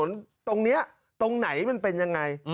ที่เลยรู้ว่าถนนตรงนี้ตรงไหนมันเป็นยังไง